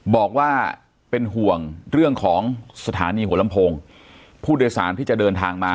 บอกว่าเป็นห่วงเรื่องของสถานีหัวลำโพงผู้โดยสารที่จะเดินทางมา